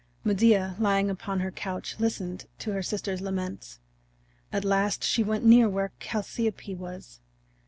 Medea, lying upon her couch, listened to her sister's laments. At last she went near where Chalciope was.